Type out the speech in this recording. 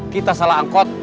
kita salah angkot